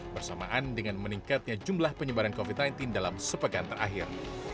bersamaan dengan meningkatnya jumlah penyebaran covid sembilan belas dalam sepekan terakhir